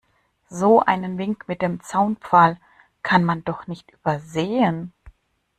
So einen Wink mit dem Zaunpfahl kann man doch nicht übersehen.